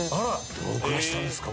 どのくらいしたんですか？